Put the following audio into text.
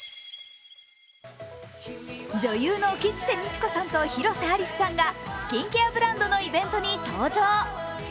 女優の吉瀬美智子さんと広瀬アリスさんがスキンケアブランドのイベントに登場。